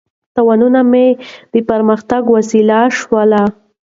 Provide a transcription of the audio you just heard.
تاوانونه مې د پرمختګ وسیله شول.